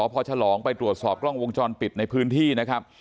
พอสอบที่สอบกล้องวงจรปิดพื้นที่นะครับ